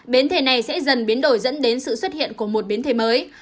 biến thể này sẽ dần biến đổi dẫn đến sự xuất hiện của một biến thể mới